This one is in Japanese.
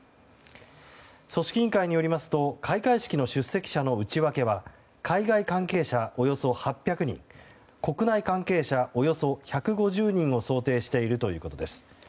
組織委員会によりますと開会式の出席者の内訳は海外関係者、およそ８００人国内関係者、およそ１５０人を想定しているということです。